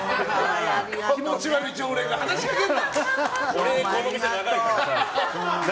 気持ち悪い常連が話しかけるな。